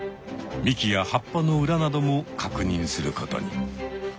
幹や葉っぱの裏などもかくにんすることに。